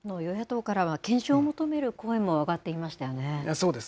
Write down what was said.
与野党からは検証を求める声も挙がっていましたね。